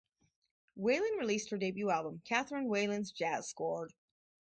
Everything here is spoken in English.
Whalen released her debut album, "Katharine Whalen's Jazz Squard".